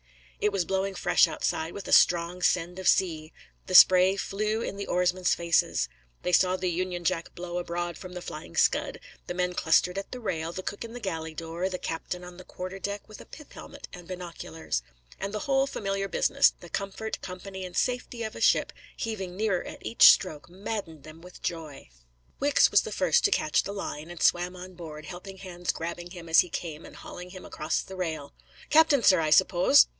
It was blowing fresh outside, with a strong send of sea. The spray flew in the oarsmen's faces. They saw the Union Jack blow abroad from the Flying Scud, the men clustered at the rail, the cook in the galley door, the captain on the quarter deck with a pith helmet and binoculars. And the whole familiar business, the comfort, company, and safety of a ship, heaving nearer at each stroke, maddened them with joy. Wicks was the first to catch the line, and swarm on board, helping hands grabbing him as he came and hauling him across the rail. "Captain, sir, I suppose?"